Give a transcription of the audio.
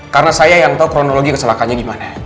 karena saya yang tahu kronologi keselakannya gimana